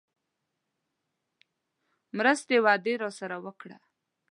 مرستې وعده راسره وکړه.